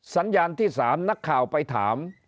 สัญญาณที่๓นักข่าวไปถาม